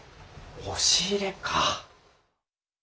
押し入れか。